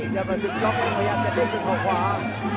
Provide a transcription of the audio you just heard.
ยาบราศึกย้อมแล้วพยายามจะเตรียมส่วนขวา